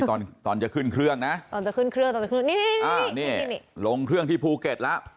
กล้องเครื่องที่ภูเก็ตแล้ว